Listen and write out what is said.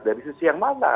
dari sisi yang mana